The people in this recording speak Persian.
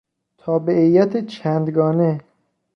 تابعیت چند گانه